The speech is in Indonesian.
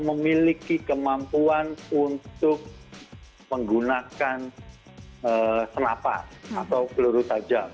memiliki kemampuan untuk menggunakan senapa atau peluru tajam